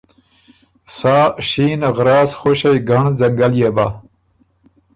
سا شین غراس خُوݭئ ګنړ ځنګل يې بۀ۔